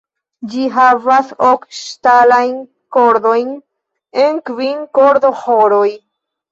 Ĝi havas ok ŝtalajn kordojn en kvin kordoĥoroj.